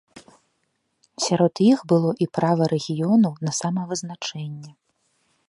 Сярод іх было і права рэгіёнаў на самавызначэнне.